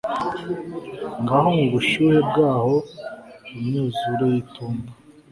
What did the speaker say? ngaho mubushuhe bwabo imyuzure y'itumba